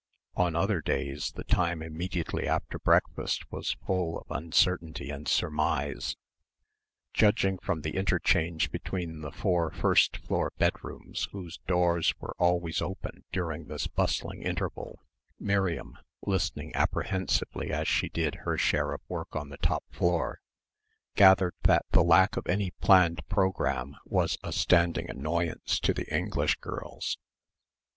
On other days the time immediately after breakfast was full of uncertainty and surmise. Judging from the interchange between the four first floor bedrooms whose doors were always open during this bustling interval, Miriam, listening apprehensively as she did her share of work on the top floor, gathered that the lack of any planned programme was a standing annoyance to the English girls.